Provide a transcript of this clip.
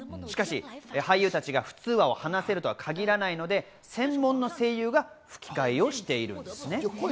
しかし俳優たちが普通話を話せるとは限らないので専門の声優が吹き替えをしているんです。